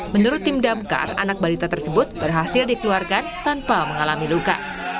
menurut tim damkar anak balita tersebut berhasil dikeluarkan tanpa mengalami luka